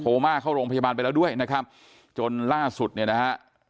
มาเข้าโรงพยาบาลไปแล้วด้วยนะครับจนล่าสุดเนี่ยนะฮะ